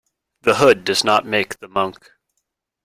The hood does not make the monk.